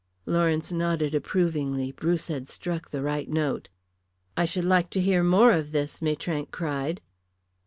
Lawrence nodded approvingly. Bruce had struck the right note. "I should like to hear more of this," Maitrank cried.